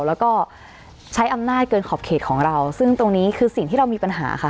แล้วก็ใช้อำนาจเกินขอบเขตของเราซึ่งตรงนี้คือสิ่งที่เรามีปัญหาค่ะ